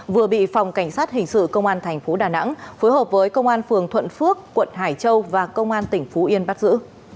vừa bị phòng cảnh sát hình sự công an thành phố đà nẵng phối hợp với công an phường thuận phước quận hải châu và công an tỉnh phú yên bắt giữ